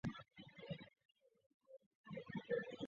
出身于群马县高崎市。